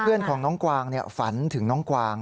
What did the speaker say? เพื่อนของน้องกวางฝันถึงน้องกวาง